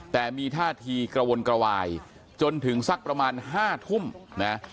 แต่มีท่าทีกระวนกระวายจนถึงสักประมาณ๕ทุ่มนะ